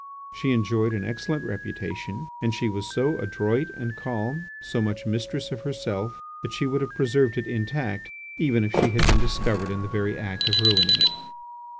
She enjoyed an excellent reputation and she was so adroit, and calm, so much mistress of herself, that she would have preserved it intact even if she had been discovered in the very act of ruining it.